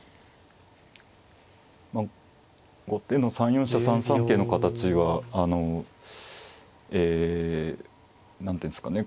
まあ後手の３四飛車３三桂の形はえ何ていうんですかね